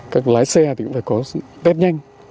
các lái xe thì cũng phải có tép nhanh